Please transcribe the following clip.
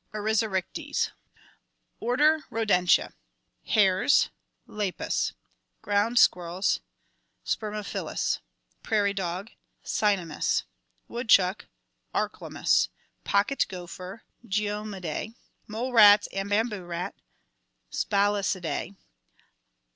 Oryzoryctes. ! Order Rodentia. Hares (Lepus). , Ground squirrels (Spermophilus). Prairie dog (Cynomys). Woodchuck (Arclomys). Pocket gopher (Geomyidae). Mole rats and bamboo rat (Spalacidae).